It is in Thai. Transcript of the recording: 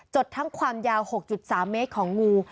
ดทั้งความยาว๖๓เมตรของงู